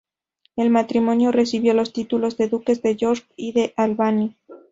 El matrimonio recibió los títulos de duques de York y de Albany.